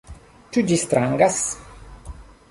Ĉu ĝi strangas?